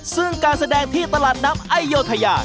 ซึ่งการแสดงที่ตลาดน้ำไอโยธยา